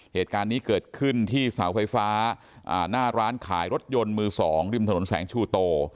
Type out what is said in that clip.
เหตุการณ์นี้เกิดขึ้นที่เสาไฟฟ้าหน้าร้านขายรถยนต์มือสองริมถนนแสงชูโต